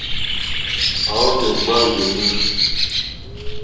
À wóhwì ŋɡbá yùùní.